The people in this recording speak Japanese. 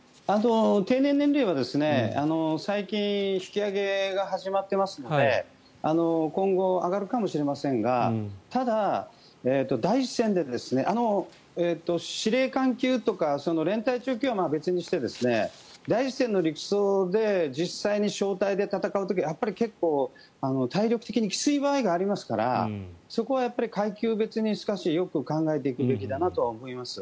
定年年齢については最近、引き上げが始まっていますので今後、上がるかもしれませんがただ、第一線で司令官級とか連隊長級は別にして第一線の陸曹で実際に小隊で戦う時は、体力的にきつい場合がありますからそこは階級別にしてよく考えていくべきだなと思います。